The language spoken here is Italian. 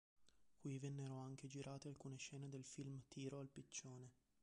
Qui vennero anche girate alcune scene del film Tiro al piccione.